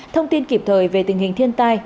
thông tin kịp thời về tình hình thiên tai